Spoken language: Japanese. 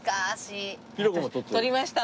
撮りました。